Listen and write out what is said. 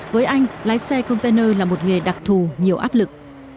với anh lái xe container là một nghề đặc thù nhiều áp lực